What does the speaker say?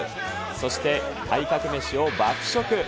そして、体格メシを爆食。